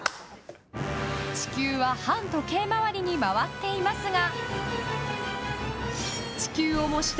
［地球は反時計回りに回っていますが］